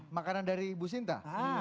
makanan dari ibu sinta